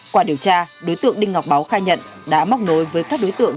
qua điều tra đối tượng đinh ngọc báo khai nhận đã móc nối với các đối tượng